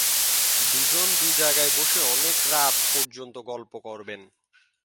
দুজন দু জায়গায় বসে অনেক রাত পর্যন্ত গল্প করবেন।